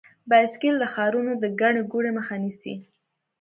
بایسکل د ښارونو د ګڼې ګوڼې مخه نیسي.